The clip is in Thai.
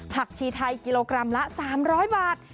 ชีไทยกิโลกรัมละ๓๐๐บาท